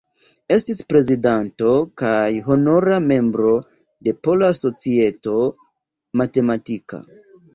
Estis prezidanto kaj honora membro de Pola Societo Matematika.